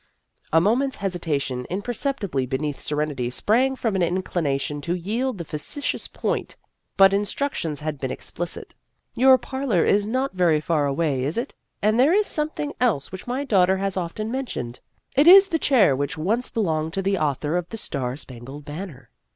A moment's hesitation imperceptible be neath serenity sprang from an inclination to yield the factitious point, but instruc tions had been explicit. " Your parlor is not very far away, is it ? And there is something else which my daughter has of ten mentioned. It is the chair which once belonged to the author of the ' Star Spangled Banner.'